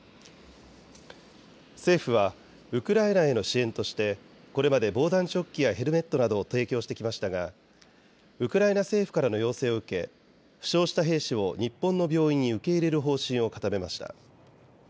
政府はウクライナへの支援としてこれまで防弾チョッキやヘルメットなどを提供してきましたがウクライナ政府からの要請を受け負傷した兵士を日本の病院に受け入れる方針を固めました。